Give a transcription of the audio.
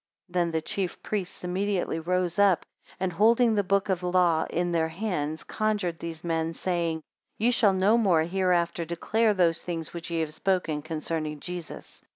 25 Then the chief priests immediately rose up, and holding the book of the law in their hands, conjured these men, saying, Ye shall no more hereafter declare those things which ye have spoken concerning Jesus.